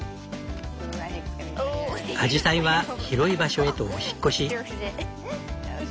アジサイは広い場所へとお引っ越し。